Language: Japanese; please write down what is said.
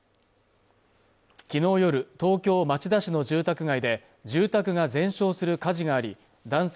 昨日夜、東京・町田市の住宅街で住宅が全焼する火事があり男性